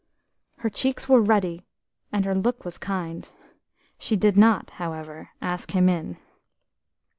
Her cheeks were ruddy, and her look was kind; she did not, however, ask him in.